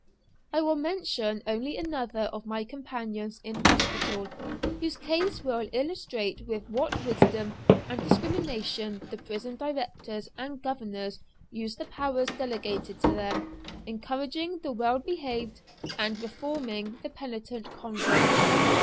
"I will mention only another of my companions in hospital, whose case will illustrate with what wisdom and discrimination the prison directors and governors use the powers delegated to them, encouraging the well behaved and reforming the penitent convict!"